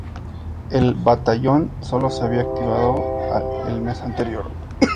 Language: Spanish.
El batallón solo se había activado el mes anterior.